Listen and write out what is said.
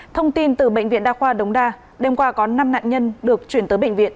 thông tin từ bệnh viện đa khoa đống đa đêm qua có năm nạn nhân được chuyển tới bệnh viện